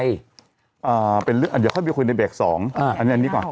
อ่าเป็นเรื่องอ่ะเดี๋ยวค่อยไปคุยในเบรกสองอ่าอันนี้อันนี้ก่อน